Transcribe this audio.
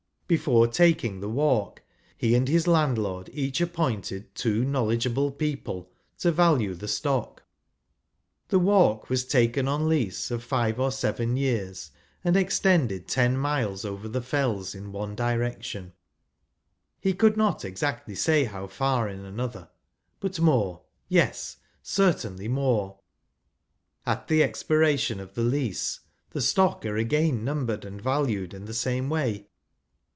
Before taking the " walk," he and his landlord each appointed two " knowledge¬ able people " to value the stock. The " walk " was taken on lease of five or seven years, and extended ten miles over the Fells in one direction — he could not exactly say how far in another, but more ; yes ! certainly more. At the expiration of the lease, the stock are again numbered, aud valued in the same way.